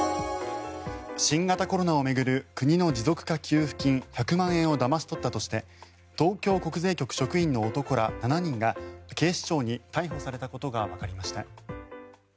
新型コロナを巡る国の持続化給付金１００万円をだまし取ったとして東京国税局の職員の男ら７人が警視庁に逮捕されたことがわかりました。